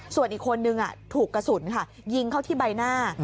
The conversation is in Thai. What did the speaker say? ส่วนอีกคนนึงถูกกระสุนค่ะยิงเข้าที่ใบหน้า